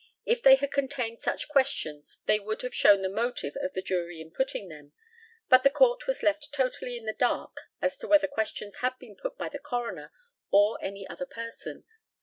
If they had contained such questions they would have shown the motive of the jury in putting them. But the Court was left totally in the dark as to whether questions had been put by the coroner or any other person.